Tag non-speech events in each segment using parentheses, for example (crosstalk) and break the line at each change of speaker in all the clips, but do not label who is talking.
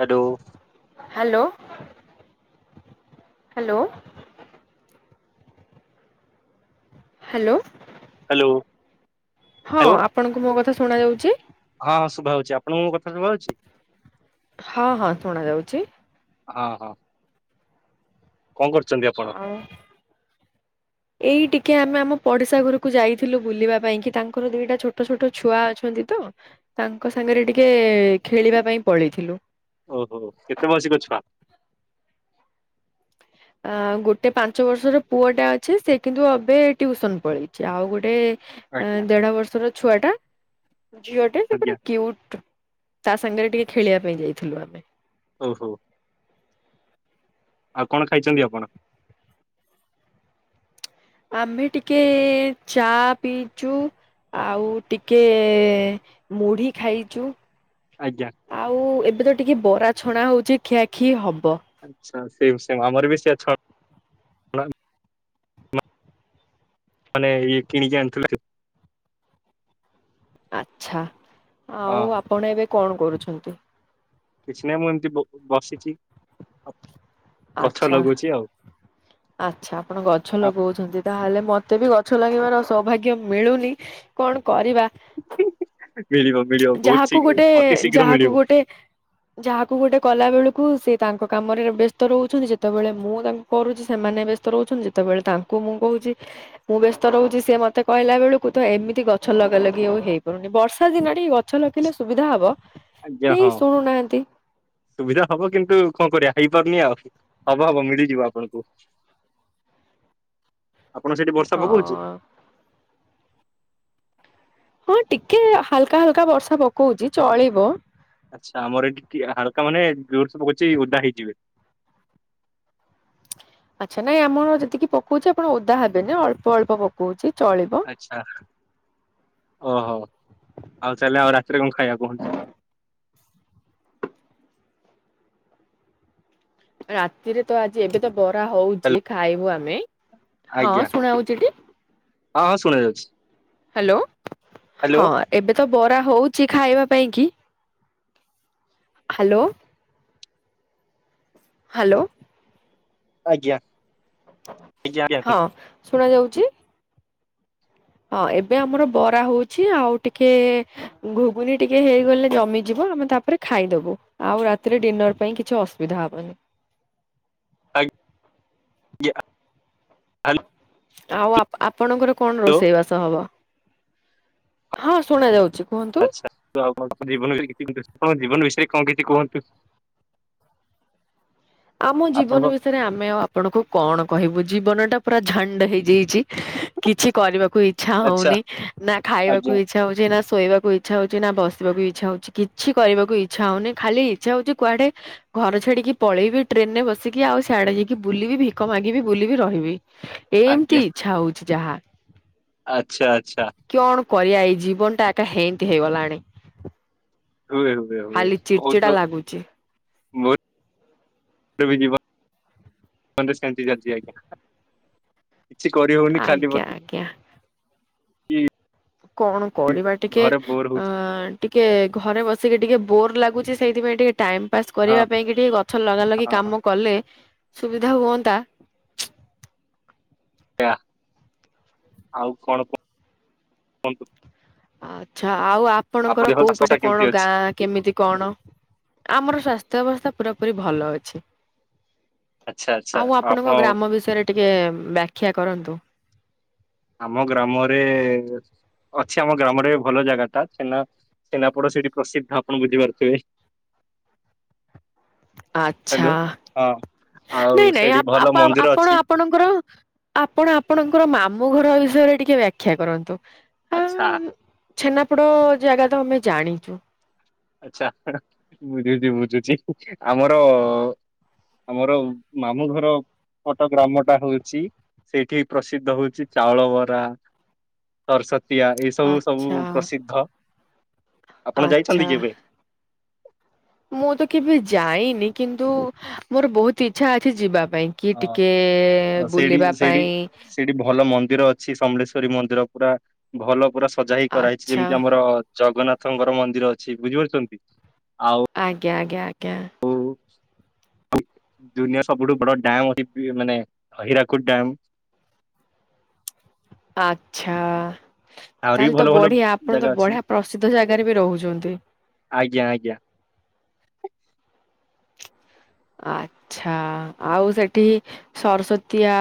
Hello.
Hello. Hello. Hello.
Hello.
ହଁ
hello
ଆପଣଙ୍କୁ ମୋ କଥା ଶୁଣା ଯାଉଛି?
ହଁ ହଁ ଶୁଭା ହଉଛି ଆପଣଙ୍କୁ ମୋ କଥା ଶୁଭା ହଉଛି?
ହଁ ହଁ ଶୁଣାଯାଉଛି।
ହଁ ହଁ। କଣ କରୁଛନ୍ତି ଆ
ଆଉ
ଆ
ଏଇ ଟିକେ ଆମେ ଆମ ପଡିଶା ଘରକୁ ଯାଇଥିଲୁ ବୁଲିବା ପାଇଁ କି ତାଙ୍କର ଦିଇଟା ଛୋଟ ଛୋଟ ଛୋଟ ଛୁଆ ଅଛନ୍ତି ତ ତାଙ୍କ ସାଙ୍ଗରେ ଟିକେ ଖେଳିବା ପାଇଁ ପଳେଇଥିଲୁ
ଓହୋ କେତେ ମାସିକ ଛୁଆ?
ଅଁ ଗୋଟେ ପାଞ୍ଚ ବର୍ଷର ପୁଅଟା ଅଛି ସେ କିନ୍ତୁ ଏବେ ଟ୍ୟୁସନ୍ ପଳେଇଛି ଆଉ ଗୋଟେ
ଆଜ୍ଞା
ଦେଢ ବର୍ଷର ଛୁଆ ଟା ଝିଅଟେ ସେ
ଆଜ୍ଞା
ପୁରା କ୍ଯୁଟ୍ ତା ସାଙ୍ଗରେ ଟିକେ ଖେଳିବା ପାଇଁ ଯାଇଥିଲୁ ଆମେ
ଓହୋ ଆଉ କଣ ଖାଇଚନ୍ତି ଆପଣ?
ଆମେ ଟିକେ ଚା ପିଇଚୁ ଆଉ ଟିକେ ମୁଢ଼ି ଖାଇଛୁ
ଆଜ୍ଞା।
ଆଉ ଏବେ ତ ଟିକେ ବରା ଛଣା ହଉଛି ଖିଆଖି ହବ
ଆଚ୍ଛା ସେମ୍ ସେମ୍ ଆମର ବି ସେ ଛ ମାନେ ଇଏ କିଣିକି ଆଣିଥିଲୁ
ଆଚ୍ଛା
ହଁ
ଆଉ ଆପଣ ଏବେ କଣ କରୁଛନ୍ତି?
କିଛି ନାହିଁ ମୁଁ ଏମିତି ବସିଚି।
ଆଚ୍ଛା।
ହ
ଆଚ୍ଛା ଆପଣ ଗଛ ଲଗଉଛନ୍ତି ତାହେଲେ ମତେ ବି ଗଛ ଲଗେଇବାର ସୌଭାଗ୍ୟ ମିଳୁନି। କଣ କରିବା?
ଆ ମିଳିବ ମିଳିବ। ବହୁତ
ଯାହାକୁ
ଶୀଘ୍ର
ଗୋଟେ
ଅତି ଶୀଘ୍ର ମିଳିବ
ଯାହାକୁ ଗୋ ଯାହାକୁ ଗୋଟେ କଲା ବେଳକୁ ସେ ତାଙ୍କ କାମରେ ବ୍ୟସ୍ତ ରହୁଛନ୍ତି ସେତେବେଳେ ମୁଁ ତା କରୁଚି ସେମାନେ ବ୍ୟସ୍ତ ରହୁଚନ୍ତି ଯେତେବେଳେ ତାଙ୍କୁ ମୁଁ କହୁଚି। ମୁଁ ବ୍ୟସ୍ତ ରହୁଚି, ସିଏ ମତେ କହିଲା ବେଳକୁ ତ ଏମିତି ଗଛ ଲଗା ଲଗି ଆଉ ହେଇପାରୁନି ବର୍ଷା ଦିନ ନାଇଁ ଗଛ ଲଗେଇଲେ ସୁବିଧା ହବ
ଆଜ୍ଞା
କେହି
ହଁ।
ଶୁଣୁନାହାନ୍ତି।
ସୁବିଧା ହବ କିନ୍ତୁ କଣ କରିବା ହେଇପାରୁନି ଆଉ। ହବ ହବ ମିଳିଯିବ ଆପଣଙ୍କୁ, ଆପଣ ସେଠି ବର୍ଷା ପକଉଚି?
ହଁ ହଁ ଟିକେ ହାଲକା ହାଲକା ବର୍ଷା ପକଉଚି ଚଳିବ।
ଆଚ୍ଛା ଆମର ଏଠି ହାଲକା ମାନେ ଜରସେ ପକାଉଛି ଓଦା ହେଇଯିବେ।
ଆଚ୍ଛା ନାଇଁ ଆମର ଯେତିକି ପକଉଛି ଆପଣ ଓଦା ହେବେନି ଅଳ୍ପ ଅଳ୍ପ ପକଉଚି ଚଳିବ।
ଆଚ୍ଛା ଓହୋ ଆଉ ଚାହଲେ ଆଉ ରାତିରେ କଣ ଖାଇବା କୁହନ୍ତୁ?
ରାତିରେ ତ ଆଜି ଏବେ ତ ବରା
ହ୍ୟାଲୋ
ହୋଉଚି ଖାଇବୁ ଆମେ। ହଁ
ଆଜ୍ଞା
ଶୁଣା ହଉଛି ଟି
ହଁ ହଁ ଶୁଣା ଯାଉଚି।
ହ୍ୟାଲୋ ହଁ ଏବେ ତ ବରା ହୋଉଚି ଖାଇବା ପାଇଁ କି। ହ୍ୟାଲୋ। ହ୍ୟାଲୋ।
ଆଜ୍ଞା। ଆଜ୍ଞା ଆଜ୍ଞା
ହଁ
କୁହନ୍ତୁ।
ଶୁଣା ଯାଉଚି। ହଁ ଏବେ ଆମର ବରା ହୋଉଚି ଆଉ ଟିକେ ଗୁଗୁନି ଟିକେ ହେଇଗଲେ ଜମିଯିବ ଆମେ ତାପରେ ଖାଇଦବୁ। ଆଉ ରାତିରେ ଡିନର ପାଇଁ କିଛି ଅସୁବିଧା ହବନି।
ଆଜ୍ଞ।
ଆଉ ଆପଣଙ୍କର କଣ
ହ୍ୟାଲୋ
ରୋଷେଇ ବାସ ହବ? ହଁ ଶୁଣା ଯାଉଚି।
ଆଚ୍ଛା ତୁ ଆପଣଙ୍କ ଜୀବନ ବିୟ କି ଆପଣଙ୍କ ଜୀବନ ବିଷୟରେ କଣ କିଛି କୁହନ୍ତୁ?
ଆମ ଜୀବନ
ଆପଣଙ୍କ
ବିଷୟରେ ଆମେ ଆଉ ଆପଣଙ୍କୁ କଣ କହିବୁ ଜୀବନ ଟା ପୁରା ଝଣ୍ଡ ହେଇଯାଇଚି। କିଛି କରିବାକୁ ଇଚ୍ଛା
ଆଚ୍ଛା
ହଉନି ନା ଖାଇବାକୁ
ଆଜ୍ଞା
ଇ ଇଚ୍ଛା ହୋଉଚି ନା ଶୋଇବାକୁ ଇଚ୍ଛା ହୋଉଚି, ନା ବସିବାକୁ ଇଚ୍ଛା ହୋଉଚି କିଛି କରିବାକୁ ଇଚ୍ଛା ହୋଉନି, ଖାଲି ଇଚ୍ଛା ହୋଉଚି କୁଆଡେ ଘର ଛାଡିକି ପଳେଇବି। ଟ୍ରେନ ରେ ବସିକି ଆଉ ସିଆଡେ ଯାଇକି ବୁଲିବି ଭିକ ମାଗିବି ବୁଲିବି ରହିବି।
ଆଜ୍ଞା
ଏମିତି ଇଚ୍ଛା ହୋଉଚି ଯାହା।
ଆଚ୍ଛା ଆଚ୍ଛା।
କିଅଣ କରିବା ଏଇ ଜୀବନ ଟା ଏକା ହେମିତି ହେଇଗଲାଣି।
ହୁଏ ହୁଏ ହୁଏ
ଖାଲି ଚିଡଚିଡା
ବହୁତ
ଲାଗୁଛି
ମ ବି ଯିବା ସେମିତି ଚାଲିଛି ଆଜ୍ଞା, କିଛି କରିହଉନି ଖାଲି
ଆଜ୍ଞା
ବ
ଆଜ୍ଞା। କଣ କରିବା ଟିକେ
ଘରେ ବୋର
ଅ
ହଉଛି
ଟିକେ ଘରେ ବସିକି ଟିକେ ବୋର୍ ଲାଗୁଚି ସେଇଥିପାଇଁ ଟିକେ ଟାଇମ ପାସ୍
ହଁ
କରିବା ପାଇଁ କି ଟିକେ ଗଛ ଲଗା ଲଗି
ହଁ ହଁ
କାମ କଲେ ସୁବିଧା ହୁଅନ୍ତା।
ଆ ଆଉ କଣ କ
ଆଛା ଆଉ
ଆପଣ
ଆପଣଙ୍କର
ଦେହ
କୋଉ
ସ୍ୱାସ୍ଥ୍ୟ
ପଟେ
କେମିତି
କଣ
ଅଛି?
ଗାଁ? କେମିତି କଣ ଆମର ସ୍ୱାସ୍ଥ୍ୟ ଅବସ୍ଥା ପୁରା ପୁରୀ ଭଲ ଅଛି।
ଆଚ୍ଛା ଆଚ୍ଛା।
ଆଉ
ଆପଣ
ଆପଣଙ୍କ ଗ୍ରାମ ବିଷୟରେ ଟିକେ ବ୍ୟାଖ୍ୟା କରନ୍ତୁ?
ଆମ ଗ୍ରାମରେ ଅଛି ଆମ ଗ୍ରାମରେ ଭଲ ଜାଗା ଟା ସେନା ଛେନାପୋଡ ସେଇଠି ପ୍ରସିଦ୍ଧ ଆପଣ ବୁଝିପାରୁଥିବେ।
ଆଚ୍ଛା
ହ୍ୟାଲୋ। ହଁ ଆଉ
ନାଇଁ ନାଇଁ
ସେଇଠି
ଆପ
ଭଲ
ଆପ
ମନ୍ଦିର
ଆପଣ
ଅଛି।
ଆପଣଙ୍କର ଆପଣ ଆପଣଙ୍କର ମାମୁଁ ଘର ବିଷୟରେ ଟିକେ ବ୍ୟାଖ୍ୟା କରନ୍ତୁ। ଆ
ଆଚ୍ଛା।
ଛେନାପୋଡ ଜାଗା ତ ଆମେ ଜାଣିଛୁ।
ଆଚ୍ଛା ବୁଝୁଛି ବୁଝୁଛି ଆମର ଆମର ମାମୁଁ ଘର ପଟ ଗ୍ରାମ ଟା ହଉଛି ସେଇଠି ପ୍ରସିଦ୍ଧ ହଉଛି ଚାଉଳ ବରା ସରସ୍ତିଆ ଏ ସବୁ ସବୁ
ଆଚ୍ଛା
ପ୍ରସିଦ୍ଧ ଆପଣ
ଆଚ୍ଛା
ଯାଇଛନ୍ତି କେବେ?
ମୁଁ ତ କେବେ ଯାଇନି କିନ୍ତୁ ମୋର ବହୁତ ଇଚ୍ଛା ଅଛି ଯିବା ପାଇଁ। କି
ହଁ
ଟିକେ
ଅ ସେଇଠି
ବୁଲିବା
ସେଇଠି
ପାଇଁ।
ସେଇଠି ଭଲ ମନ୍ଦିର ଅଛି ସମଲେଶ୍ୱରୀ ମନ୍ଦିର ପୁରା ଭଲ ପୁରା ସଜା ହେଇ କରାହେଇଛି
ଆଚ୍ଛା
ଯେମିତି ଆମର ଜଗନ୍ନାଥଙ୍କର ମନ୍ଦିର ଅଛି ବୁଝିପାରୁଛନ୍ତି ଆଉ
ଆଜ୍ଞା ଆଜ୍ଞା ଆଜ୍ଞା।
ଉ ଦୁନିଆ ସବୁଠୁ ବଡ ଡ୍ୟାମ ଅଛି ମାନେ ହିରାକୁଦ ଡ୍ୟାମ୍।
ଆଛା
ଆହୁରି ବି
ତାହେଲେ
ଭଲ
ତ
ଭଲ
ବଢିଆ ଆପଣ
ଜାଗା
ତ
ଅଛି
ବଢିଆ ପ୍ରସିଦ୍ଧ ଜାଗାରେ ବି ରହୁଛନ୍ତି।
ଆଜ୍ଞା ଆଜ୍ଞା।
ଆଚ୍ଛା ଆଉ ସେଠି ସରସତୀଆ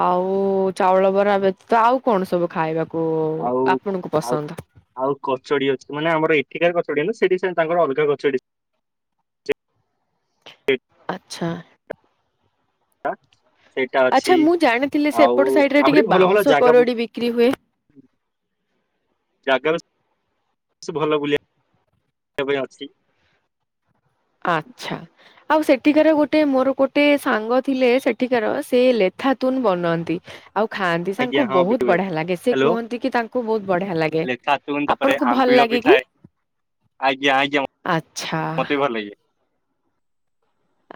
ଆଉ ଚାଉଳ ବରା ବ୍ୟତୀତ ଆଉ କଣ ସବୁ ଖାଇବାକୁ
ଆଉ
ଆପଣଙ୍କୁ
ଆଉ
ପସନ୍ଦ?
ଆଉ କଚୋଡି ଅଛି ମାନେ ଆମର ଏଠିକାର କଚୋଡି ନୁହ ସେଠି ସେ ତାଙ୍କର ଅଲଗା କଚୋଡି ଏ
ଆଚ୍ଛା।
ଆ ସେଇଟା ଅଛି
ଆଚ୍ଛା ମୁଁ ଜାଣିଥିଲି ସେପଟ
ଆଉ
ସାଇଡ ରେ ଟିକେ
ଆହୁରି ଭଲ ଭଲ
ବାଉଁଶ
ଜାଗା ବି
କରଡି ବିକ୍ରି ହୁଏ।
ହୁଁ। ଜାଗା ବି ସେ ଭଲ ବୁଲିବା ପାଇଁ ଅଛି।
ଆଚ୍ଛା। ଆଉ ସେଠିକାର ଗୋଟେ ମୋର ଗୋଟେ ସାଙ୍ଗ ଥିଲେ ସେଠିକାର ସେ ଲେଥାଥୁନ ବନନ୍ତି। ଆଉ ଖାଆନ୍ତି
ଆଜ୍ଞା
ତାଙ୍କୁ
ହଁ ବିଟୁ
ବହୁତ
ଭାଇ
ବଢିଆ ଲାଗେ ସେ
ହ୍ୟାଲୋ
କୁହନ୍ତି କି ତାଙ୍କୁ ବହୁତ ବଢିଆ ଲାଗେ।
ଶୁଣନ୍ତୁ ତାପରେ
ଆପଣଙ୍କୁ ଭଲ
ଆମ୍ବିଳ
ଲାଗେ
ବି
କି?
ଥାଏ ଆଜ୍ଞା ଆଜ୍ଞା
ଆଚ୍ଛା
ମତେ ବି ଭଲ ଲାଗେ।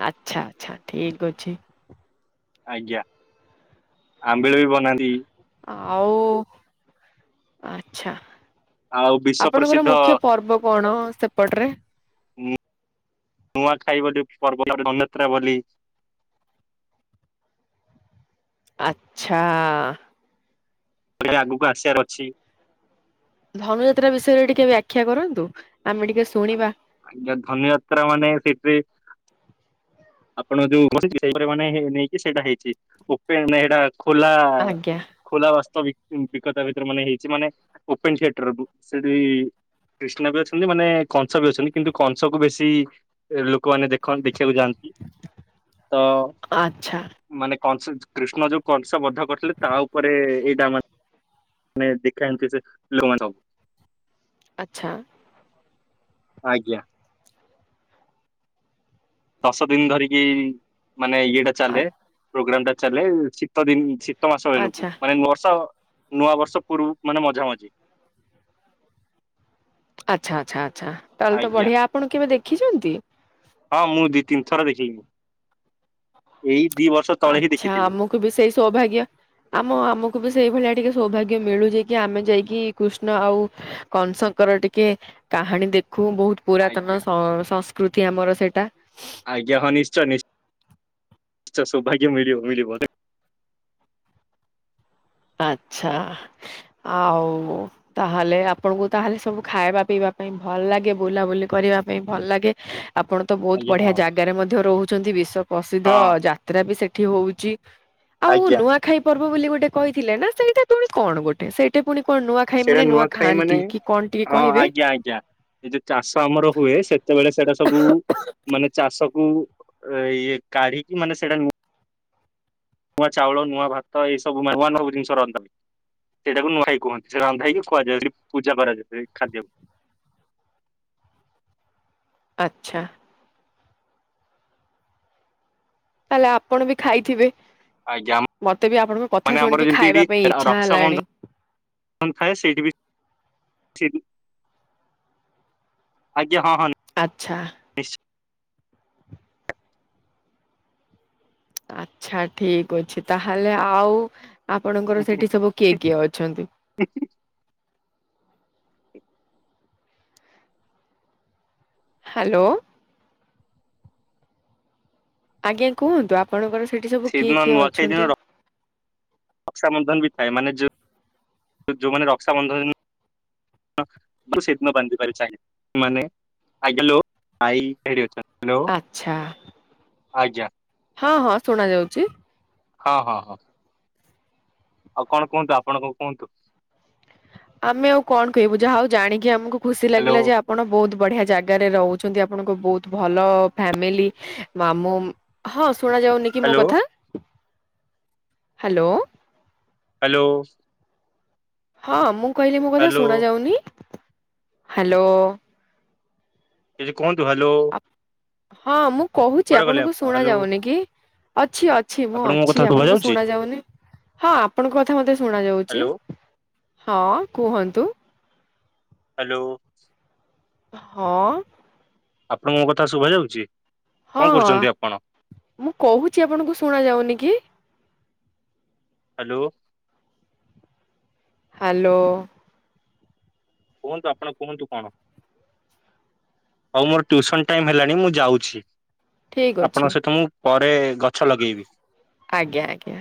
ଆଚ୍ଛା ଆଚ୍ଛା ଠିକ ଅଛି।
ଆଜ୍ଞା ଆମ୍ବିଳ ବି ବନାନ୍ତି।
ଆଉ ଆଚ୍ଛା
ଆଉ ବିଶ୍ଵ
ଆପଣଙ୍କର
ପ୍ରସିଦ୍ଧ
ମୁଖ୍ୟ ପର୍ବ କଣ ସେପଟରେ?
ନୂଆଖାଇ ବୋଲି ପର୍ବ (unintelligible) ଯାତ୍ରା ବୋଲି।
ଆଚ୍ଛା।
ଏଇ ଆଗକୁ ଆସିବାର ଅଛି।
ଧନୁଯାତ୍ରା ବିଷୟରେ ଟିକେ ବ୍ୟାଖ୍ୟା କରନ୍ତୁ ଆମେ ଟିକେ
ଆା
ଶୁଣିବା
ଆଜ୍ଞା ଧନୁଯାତ୍ରା ମାନେ ସେଥିରେ ଆପଣ ଯୋଉ ସେପ ମାନେ ନେଇକି ସେଇଟା ହେଇଛି ଓପେ ସେଇଟା ଖୋଲା
ଆଜ୍ଞା
ଖୋଲା ବାସ୍ତବ ବିକତା ଭିତରେ ମାନେ ହେଇଛି ମାନେ ଓପେନ ଥିଏଟର ସେଠି କ୍ରିଷ୍ଣା ବି ଅଛନ୍ତି ମାନେ କଂସ ବି ଅଛନ୍ତି କିନ୍ତୁ କଂସକୁ ବେଶୀ ଲୋକମାନେ ଦେଖନ ଦେଖିବାକୁ ଯାଆନ୍ତି ତ
ଆଚ୍ଛା
ମାନେ କଂସ କୃଷ୍ଣ ଯୋଉ କଂସ ବଧ କରିଥିଲେ ତା ଉପରେ ଏଇଟା ମାନେ ମାନେ ଦେଖା ଏମିତି ସେ ଲୋକମାନେ ସବ
ଆଚ୍ଛା।
ଆଜ୍ଞା। ଦଶ ଦିନ ଧରିକି ମାନେ ଇଏଟା ଚାଲେ
ଆ-
ପ୍ରୋଗ୍ରାମ ଟା ଚାଲେ ଶୀତ ଦିନ ଶି ଶିତ ମାସ
ଆଚ୍ଛା।
ବେଳକୁ ମାନେ ବର୍ଷ ନୂଆ ବର୍ଷ ପୂର୍ବ ମାନେ ମଝା ମଝି।
ଆଚ୍ଛା ଆଚ୍ଛା ଆଚ୍ଛା ତାହେଲେ ତ
ଆଜ୍ଞା
ବଢ଼ିଆ ଆପଣ କେବେ ଦେଖିଛନ୍ତି?
ହଁ ମୁଁ ଦି ତିନି ଥର ଦେଖେଇ ଏଇ ଦି ବର୍ଷ ତଳେ ହିଁ
ଆଚ୍ଛା
ଦେଖିଥିଲି।
ଆମକୁ ବି ସେଇ ସୌଭାଗ୍ୟ ଆମ ଆମକୁ ବି ସେଇ ଭଳିଆ ଟିକେ ସୌଭାଗ୍ୟ ମିଳୁଛି କି ଆମେ ଯାଇକି କୃଷ୍ଣ ଆଉ କଂସଙ୍କର ଟିକେ କାହାଣୀ ଦେଖୁ ବହୁତ ପୁରାତନ
ଆଜ୍ଞା
ସଂ ସଂସ୍କୃତି ଆମର ସେଇଟା।
ଆଜ୍ଞା ହଁ ନିଶ୍ଚୟ ନି ନିଶ୍ଚୟ ସୌଭାଗ୍ୟ ମିଳିବ ମିଳିବ।
ଆଚ୍ଛା ଆଉ ତାହେଲେ ଆପଣଙ୍କୁ ତାହେଲେ ସବୁ ଖାଇବା ପିଇବା ପାଇଁ ଭଲ ଲାଗେ ବୁଲାବୁଲି କରିବା ପାଇଁ ଭଲ ଲାଗେ ଆପଣ ତ ବହୁତ
ଆଜ୍ଞା
ବଢିଆ
ହଁ
ଜାଗାରେ ମଧ୍ୟ ରହୁଛନ୍ତି ବିଶ୍ଵ ପ୍ରସିଦ୍ଧ
ହଁ
ଯାତ୍ରା ବି ସେଠି ହଉଛି
ଆଜ୍ଞା।
ଖାଇ ପର୍ବ ବୋଲି ଗୋଟେ କହିଥିଲେ ନା ସେଇଟା ପୁଣି କଣ ଗୋଟେ ସେ ଟେ ପୁଣି କଣ ନୂଆ ଖାଇ
ସେଇଟା
ମାନେ ନୂଆ
ନୂଆଖାଇ
ଖାଆନ୍ତି
ମାନେ
କି କଣ ଟିକେ
ହଁ
କହିବେ?
ଆଜ୍ଞା ଆଜ୍ଞା ଏ ଯଉ ଚାଷ ଆମର ହୁଏ ସେତେବେଳେ ସେଇଟା ସବୁ ମାନେ ଚାଷକୁ ଇଏ କାଢିକି ମାନେ ସେଇଟା ନୂଆ ଚାଉଳ ନୂଆ ଭାତ ଏଇ ସବୁ ମାନ ନୂଆ ସବୁ ଜିନିଷ ରନ୍ଧା ସେଇଟାକୁ ନୂଆଖାଇ କୁହନ୍ତି ସେ ରାନ୍ଧା ହେକି ଖୁଆଯା ପୂଜା କରାଯାଏ ସେ ଖାଦ୍ୟକୁ।
ଆଚ୍ଛା। ତାହେଲେ ଆପଣ ବି ଖାଇଥିବେ?
ଆଜ୍ଞା ଆମ-
ମତେ ବି ଆପଣଙ୍କ କଥା
ମାନେ ଆମର
ଶୁଣିକି
ଯେମିତି
ଖାଇବା ପାଇଁ ଇଚ୍ଛା ହେଲାଣିଯ
ଖାଏ ସେଇଠି ବି ସେ ଆଜ୍ଞାଁ ହଁ ହନ୍।
ଆଚ୍ଛା। ଆଚ୍ଛା ଠିକ ଅଛି ତାହେଲେ ଆଉ ଆପଣଙ୍କର ସେଠି ସବୁ କିଏ କିଏ ଅଛନ୍ତି?
ଦେଖଛି
ହ୍ୟାଲୋ। ଆଜ୍ଞା କୁହନ୍ତୁ ଆପଣଙ୍କର ସେଇଠି ସବୁ କିଏ
ସେଇଦିନ
କିଏ ଅଛନ୍ତି?
ରକ୍ଷାାବନ୍ଧନ ବି ଥାଏ ମାନେ ଯୋଉ ଯୋଉମାନେ ରକ୍ଷାାବନ୍ଧନ ମୁଁ ସେଦିନ ବାନ୍ଧି ପାର ଚ (unintelligible) ମାନେ (unintelligible) ଆଇ ଏଠି ଅ ହାଲୋ
ଆଚ୍ଛା
ଆଜ୍ଞା।
ହଁ ହଁ ଶୁଣା ଯାଉଛି।
ହଁ ହଁ। ଆଉ କଣ କୁହନ୍ତୁ ଆପଣଙ୍କ କୁହନ୍ତୁ।
ଆମେ ଆଉ କଣ କହିବୁ ଯାହା ହଉ ଜାଣିକି ଆମକୁ ଖୁସି
ହ୍ୟାଲୋ
ଲାଗିଲା ଯେ ଆ ପଣ ବହୁତ ବଢିଆ ଜାଗାରେ ରହୁଛନ୍ତି ଆପଣଙ୍କ ବହୁତ ଭଲ ଫ୍ୟାମିଲି ମାମୁଁ ହଁ ଶୁଣ ଯାଉନି କି ମୋ
ହ୍ୟାଲୋ
କଥା? ହ୍ୟାଲୋ।
ହ୍ୟାଲୋ।
ହଁ ମୁଁ କହିଲି ମୋ କଥା
ହ୍ୟାଲୋ
ଶୁଣ ଯାଉନି? ହ୍ୟାଲୋ।
କିଛି କୁହନ୍ତୁ ହ୍ୟାଲୋ।
ହଁ ମୁଁ କହୁଛି
କୁଆଡେ ଗଲେ
ଆପଣଙ୍କୁ
ଆପଣ
ଶୁଣା
ହ୍ୟାଲୋ
ଯାଉନି କି? ଅଛି ଅଛି ମୁଁ
ଆପଣଙ୍କୁ ମୋ କଥା
ଅଛି
ଶୁଭା
ଆପଣଙ୍କୁ
ଯାଉଛି
ଶୁଣ ଯାଉନି। ହଁ ଆପଣଙ୍କ କଥା ମତେ ଶୁଣ ଯାଉଛି
ହ୍ୟାଲୋ
ହଁ କୁହନ୍ତୁ।
ହ୍ୟାଲୋ।
ହଁ।
ଆପଣଙ୍କୁ ମୋ କଥା ଶୁଭା ଯାଉଛି?
ହଁ
କଣ କରୁଛନ୍ତି ଆପଣ
ମୁଁ କହୁଛି ଆପଣଙ୍କୁ ଶୁଣା ଯାଉନି କି?
ହ୍ୟାଲୋ।
ହ୍ୟାଲୋ।
କୁହନ୍ତୁ ଆପଣ କୁହନ୍ତୁ କଣ। ହଉ ମୋର ଟ୍ୟୁସନ ଟାଇମ୍ ହେଲାଣି ଯାଉଛି।
ଠିକ ଅଛି
ଆପଣଙ୍କ ସହିତ ମୁଁ ପରେ ଗଛ ଲଗେଇବି।
ଆଜ୍ଞା ଆଜ୍ଞା।